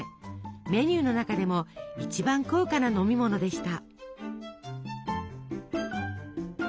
メニューの中でも一番高価な飲みものでした。